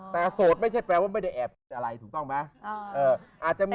แต่โสดไม่ใช่แปลว่าไม่ได้แอบคิดอะไรถูกต้องไหม